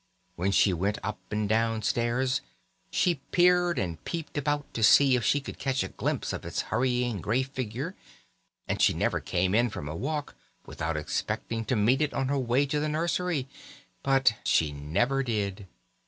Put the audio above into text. When she went up and down stairs she peered and peeped about to see if she could catch a glimpse of its hurrying grey figure, and she never came in from a walk without expecting to meet it on her way to the nursery. But she never did.